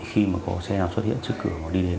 khi mà có xe nào xuất hiện trước cửa mà đi đến